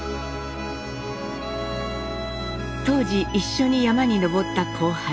当時一緒に山に登った後輩